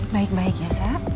baik baik ya saab